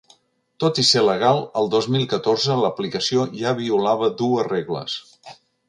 Tot i ser legal el dos mil catorze, l’aplicació ja violava dues regles.